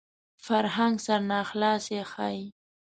فرهنګ سرناخلاصي ښيي